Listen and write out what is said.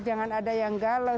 jangan ada yang galau